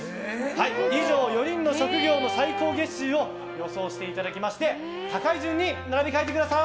以上、４人の職業の最高月収を予想していただきまして高い順に並び替えてください。